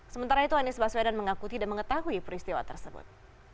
sementara itu anies baswedan mengakuti dan mengetahui peristiwa tersebut